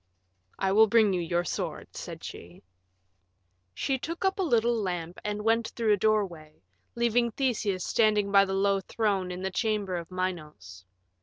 "I will bring you your sword," said she. She took up a little lamp and went through a doorway, leaving Theseus standing by the low throne in the chamber of Minos.